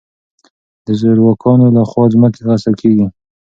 د زورواکانو له خوا ځمکې غصب کېږي.